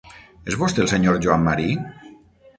És vostè el senyor Joan Marí?